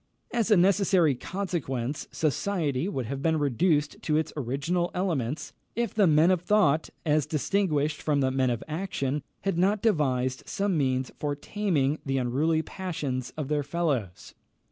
As a necessary consequence, society would have been reduced to its original elements, if the men of thought, as distinguished from the men of action, had not devised some means for taming the unruly passions of their fellows.